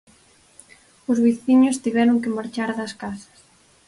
Os veciños tiveron que marchar das casas.